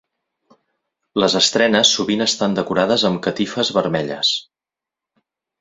Les estrenes sovint estan decorades amb catifes vermelles.